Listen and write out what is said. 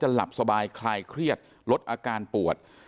หลับสบายคลายเครียดลดอาการปวด